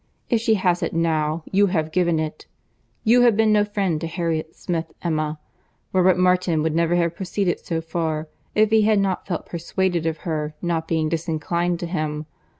If she has it now, you have given it. You have been no friend to Harriet Smith, Emma. Robert Martin would never have proceeded so far, if he had not felt persuaded of her not being disinclined to him.